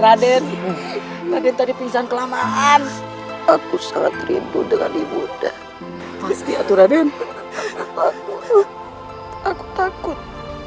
raden raden tadi pingsan kelamaan aku sangat rindu dengan ibu ndak pasti atura den aku takut